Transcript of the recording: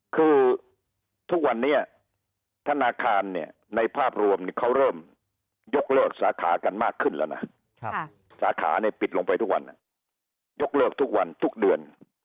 คือทุกวันนี้ธนาคารเนี่ยในภาพรวมเขาเริ่มยกเลิกสาขากันมากขึ้นแล้วนะสาขาเนี่ยปิดลงไปทุกวันยกเลิกทุกวันทุกเดือน